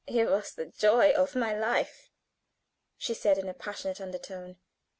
He was the joy of my life," she said in a passionate under tone.